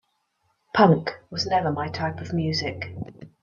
Punk was never my type of music.